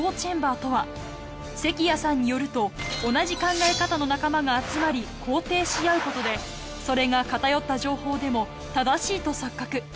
関屋さんによると同じ考え方の仲間が集まり肯定し合うことでそれが偏った情報でも正しいと錯覚。